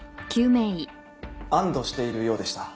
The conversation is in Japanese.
安堵しているようでした。